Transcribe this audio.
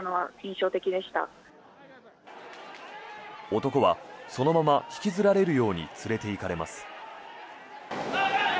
男はそのまま引きずられるように連れていかれます。